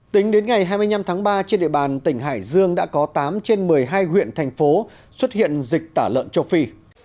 tính đến ngày hai mươi năm tháng ba trên địa bàn tỉnh hải dương đã có tám trên một mươi hai huyện thành phố xuất hiện dịch tả lợn châu phi